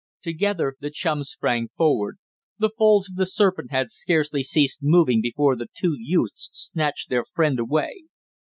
Together the chums sprang forward. The folds of the serpent had scarcely ceased moving before the two youths snatched their friend away.